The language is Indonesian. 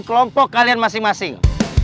kelompok kalian masing masing